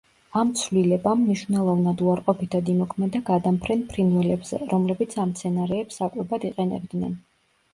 ამ ცვლილებამ მნიშვნელოვნად უარყოფითად იმოქმედა გადამფრენ ფრინველებზე, რომლებიც ამ მცენარეებს საკვებად იყენებდნენ.